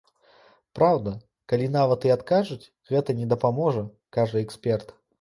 Праўда, калі нават і адкажуць, гэта не дапаможа, кажа эксперт.